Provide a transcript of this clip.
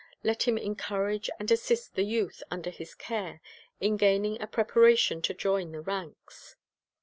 Let him encourage and assist the youth under his care in gaining a preparation to join the ranks.